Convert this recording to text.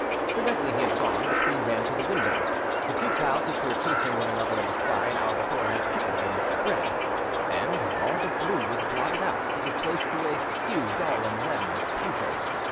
Directly he had gone the queen ran to the window: the few clouds which were chasing one another in the sky an hour before had thickened and spread, and—all the blue was blotted out, to give place to a hue dull and leaden as pewter.